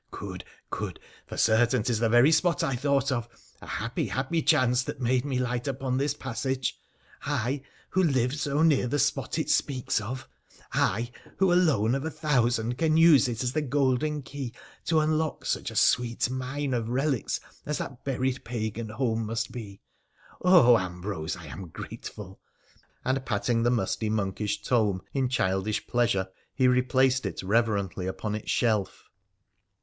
Good ! good !— for certain 'tis the very spot I thought of — a happy, happy chance that made me light upon this passage — I who live so near the spot it speaks of — I who alone of thousand can use it as the golden key to unlock such a sweet mine of relics as that buried pagan home must be. Oh ! Ambrose, I am grateful,' and patting the musty monkish tome in childish pleasure, he replaced it reverently upon its shelf.